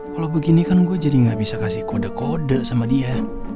kalau begini kan gue jadi gak bisa kasih kode kode sama dia